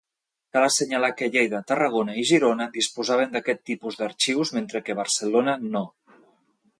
Cal assenyalar que Lleida, Tarragona i Girona disposaven d'aquest tipus d'arxius mentre que Barcelona no.